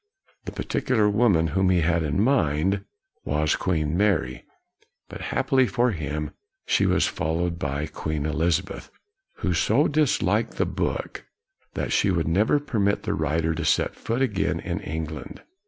The particular woman KNOX 131 whom he had in mind was Queen Mary, but unhappily for him she was followed by Queen Elizabeth, who so disliked the book that she would never permit the writer to set foot again in England.